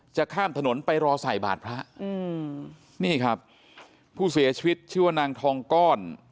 จะข้ามถนนไปรอใส่บาทพระอืมนี่ครับผู้เสียชีวิตชื่อว่านางทองก้อน